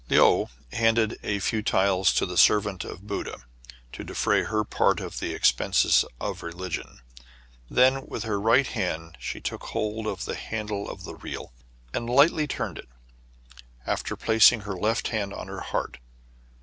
Le ou handed a few taels to the servant of Buddha to defray her part of the expenses of religion ; then with her right hand she took hold of the handle of the reel, and lightly turned it, after placing her left hand on her heart.